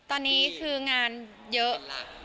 ตอนนี้คืองานเยอะ